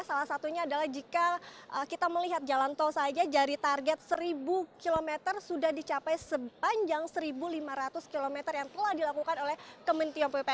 salah satunya adalah jika kita melihat jalan tol saja dari target seribu km sudah dicapai sepanjang seribu lima ratus km yang telah dilakukan oleh kementerian pupr